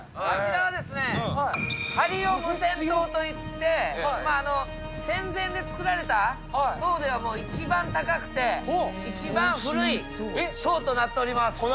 あちらはですね、針尾無線塔と言って、戦前で作られた塔ではもう一番高くて、一番古い塔となっております。